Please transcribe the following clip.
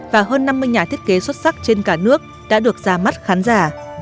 và hơn năm mươi nhà thiết kế xuất sắc trên cả nước đã được ra mắt khán giả